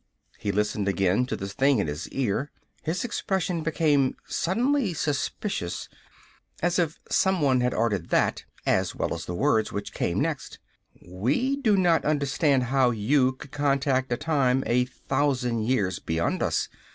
_" He listened again to the thing at his ear. His expression became suddenly suspicious, as if someone had ordered that as well as the words which came next. "_We do not understand how you could contact a time a thousand years beyond us.